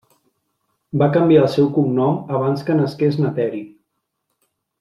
Va canviar el seu cognom abans que nasqués na Teri.